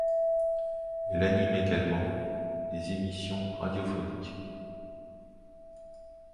Elle anime également des émissions radiophoniques.